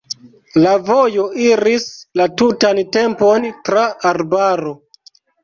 La vojo iris la tutan tempon tra arbaro.